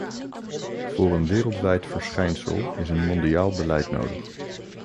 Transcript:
Voor een wereldwijd verschijnsel is een mondiaal beleid nodig.